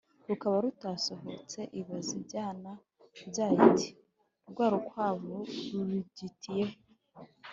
rukaba rutasohotse, ibaza ibyana byayo iti « rwa rukwavu rurigitiye he?